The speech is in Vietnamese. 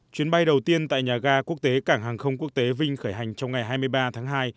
chuyến bay đầu tiên tại nhà ga quốc tế cảng hàng không quốc tế vinh khởi hành trong ngày hai mươi ba tháng hai